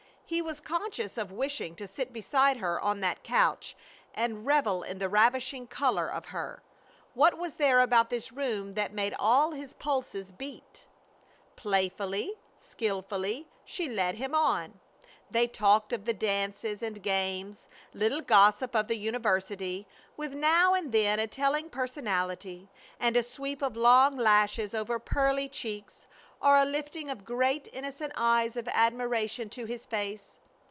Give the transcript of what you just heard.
He was conscious of wishing to sit beside her on that couch and revel in the ravishing color of her. What was there about this room that made all his pulses beat? Playfully, skilfully, she led him on. They talked of the dances and games, little gossip of the university, with now and then a telling personality, and a sweep of long lashes over pearly cheeks, or a lifting of great, innocent eyes of admiration to his face.